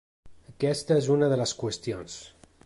Aquesta és una de les qüestions.